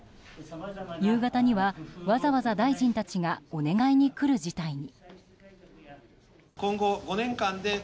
夕方には、わざわざ大臣たちがお願いに来る事態に。